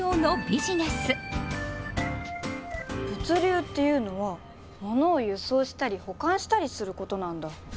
物流っていうのは物を輸送したり保管したりすることなんだ。